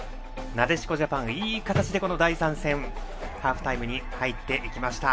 なでしこジャパンいい形で第３戦ハーフタイムに入っていきました。